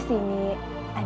sampai jumpa lagi